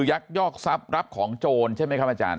ยักยอกทรัพย์รับของโจรใช่ไหมครับอาจารย